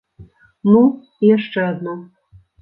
Ну, і яшчэ адно.